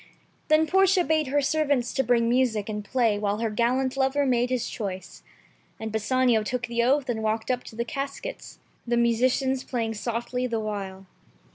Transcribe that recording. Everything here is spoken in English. Then Portia bade her servants to bring music and play while her galliant lover made his choice. And Bassanio took the oath and walked up to the caskets — the musicians playing softly the while.